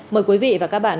mời quý vị và các bạn